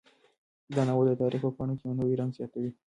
دا ناول د تاریخ په پاڼو کې یو نوی رنګ زیاتوي.